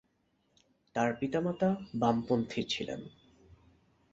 তার পিতামাতা বামপন্থী ছিলেন।